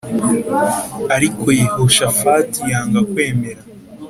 Ariko Yehoshafati yanga kwemera